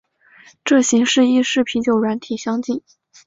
这形式亦与啤酒软体相近。